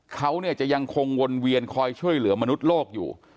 เขาจะยังคงวนเวียนคอยช่วยเหลือมนุษย์โลกอยู่